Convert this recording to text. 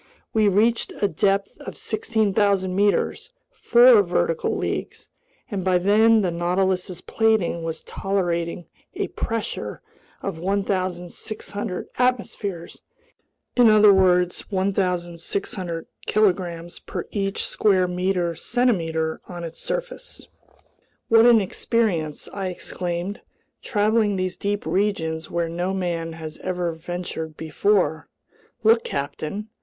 We reached a depth of 16,000 meters—four vertical leagues—and by then the Nautilus's plating was tolerating a pressure of 1,600 atmospheres, in other words, 1,600 kilograms per each square centimeter on its surface! "What an experience!" I exclaimed. "Traveling these deep regions where no man has ever ventured before! Look, captain!